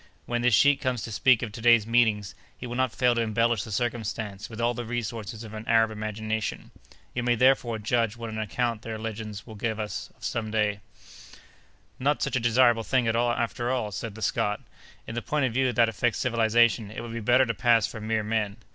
When this sheik comes to speak of to day's meeting, he will not fail to embellish the circumstance with all the resources of an Arab imagination. You may, therefore, judge what an account their legends will give of us some day." "Not such a desirable thing, after all," said the Scot, "in the point of view that affects civilization; it would be better to pass for mere men.